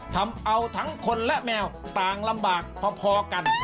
ทำเอาทั้งคนและแมวต่างลำบากพอกัน